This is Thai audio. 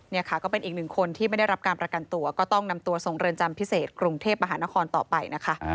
นี่ค่ะก็เป็นอีกหนึ่งคนที่ไม่ได้รับการประกันตัวก็ต้องนำตัวส่งเรือนจำพิเศษกรุงเทพมหานครต่อไปนะคะ